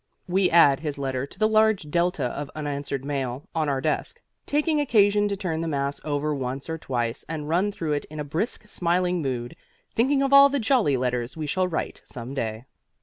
We add his letter to the large delta of unanswered mail on our desk, taking occasion to turn the mass over once or twice and run through it in a brisk, smiling mood, thinking of all the jolly letters we shall write some day.